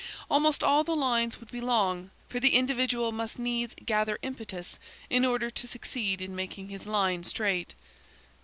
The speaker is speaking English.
Almost all the lines would be long–for the individual must needs gather impetus in order to succeed in making his line straight.